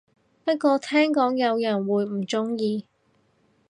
不過聽講有人會唔鍾意